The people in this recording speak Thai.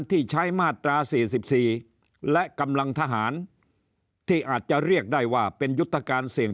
ที่ใช้มาตรา๔๔และกำลังทหารที่อาจจะเรียกได้ว่าเป็นยุทธการเสี่ยง